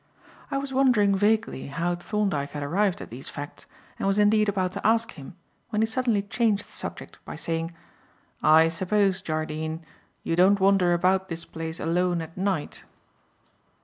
I was wondering vaguely how Thorndyke had arrived at these facts, and was indeed about to ask him, when he suddenly changed the subject by saying: "I suppose, Jardine, you don't wander about this place alone at night?"